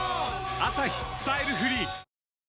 「アサヒスタイルフリー」！男性）